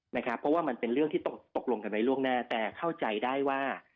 เพราะว่ามันเป็นเรื่องที่ตกลงกันไว้ล่วงหน้าแต่เข้าใจได้ว่า